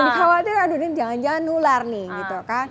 yang dikhawatir aduh ini jangan jangan nular nih